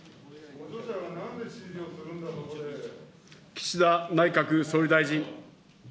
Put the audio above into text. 岸田内閣総理大臣。